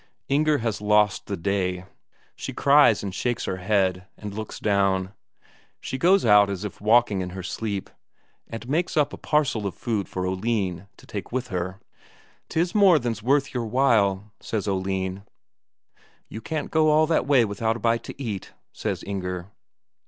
Inger has lost the day. She cries and shakes her head and looks down. She goes out as if walking in her sleep, and makes up a parcel of food for Oline to take with her. "'Tis more than's worth your while," says Oline. "You can't go all that way without a bite to eat," says Inger.